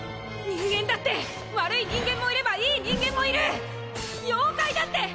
人間だって悪い人間もいればいい人間もいるっ！